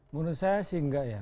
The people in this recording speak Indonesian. menurut saya sih enggak ya